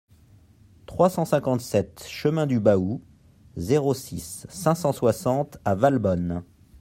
trois cent cinquante-sept chemin du Baou, zéro six, cinq cent soixante à Valbonne